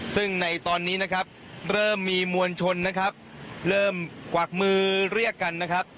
ซึ่งในตอนนี้นะครับเริ่มมีมวลชนนะครับเริ่มกวักมือเรียกกันนะครับ